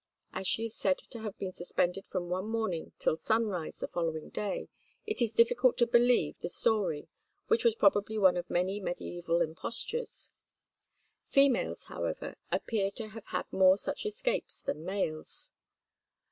As she is said to have been suspended from one morning till sunrise the following day, it is difficult to believe the story, which was probably one of many mediæval impostures. Females, however, appear to have had more such escapes than males.